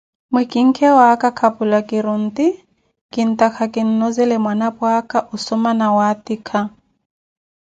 Mwikinke mwaaka mmote kapula kiri onti, kintaka kinlozele mwanapwa aka osoma na waatika.